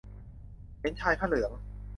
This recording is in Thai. เห็นชายผ้าเหลือง